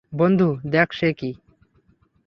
বন্ধু, দেখ সে কি?